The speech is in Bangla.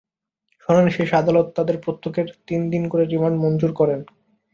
শুনানি শেষে আদালত তাঁদের প্রত্যেকের তিন দিন করে রিমান্ড মঞ্জুর করেন।